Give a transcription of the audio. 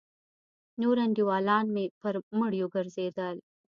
نور انډيولان مې پر مړيو گرځېدل.